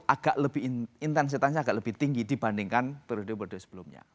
agak lebih intensitasnya agak lebih tinggi dibandingkan periode periode sebelumnya